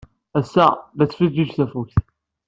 Ass-a, la tettfeǧǧiǧ tafukt.